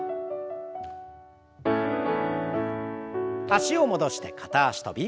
脚を戻して片脚跳び。